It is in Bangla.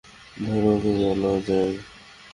ধরো ওকে, চলো যাই!